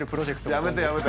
やめてやめて！